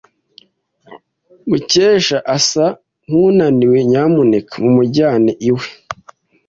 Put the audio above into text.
Mukesha asa nkunaniwe. Nyamuneka mumujyane iwe.